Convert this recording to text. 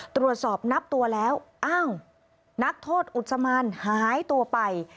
ตรวจสอบนับตัวแล้วอ้าวนักโทษอุศมานหายตัวไป